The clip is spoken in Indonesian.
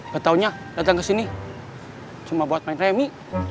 bataunya datang ke sini cuma buat main remi